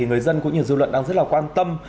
người dân cũng như dư luận đang rất là quan tâm